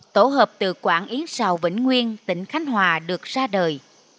tổ hợp từ quản yến xào vĩnh nguyên tỉnh khánh hòa được ra đời